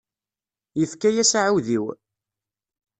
Yefka-yas aɛudiw.